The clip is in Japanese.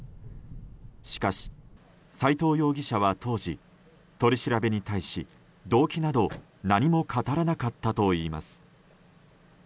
しかし、斎藤容疑者は当時、取り調べに対し動機など何も語らなかったといいます。